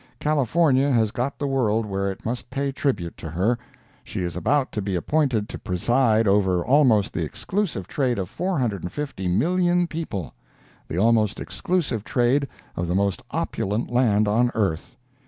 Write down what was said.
California has got the world where it must pay tribute to her. She is about to be appointed to preside over almost the exclusive trade of 450,000,000 people—the almost exclusive trade of the most opulent land on earth.